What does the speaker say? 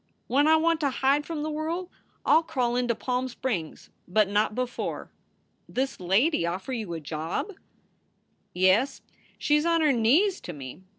When I want to hide from the worl I ll crawl into Palm Springs, but not before." "This lady offer you a job?" SOULS FOR SALE 117 " Yes. She s on her knees to me. Mrs.